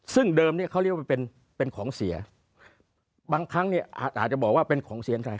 ซึ่งเดิมเนี่ยเขาเรียกว่าเป็นเป็นของเสียบางครั้งเนี่ยอาจจะบอกว่าเป็นของเสียงใคร